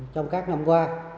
trong các năm qua